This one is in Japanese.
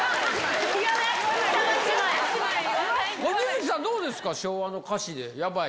観月さんどうですか、昭和の歌詞で、ヤバイ。